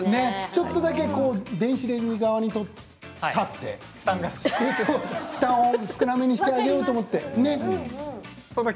ちょっとだけ電子レンジの上に立って負担を少なめにしてあげようと思ってね。